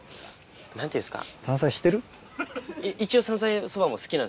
何ていうんですか。